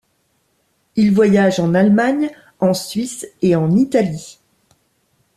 Il voyage en Allemagne, en Suisse et en Italie.